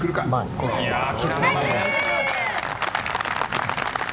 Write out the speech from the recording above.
諦めません。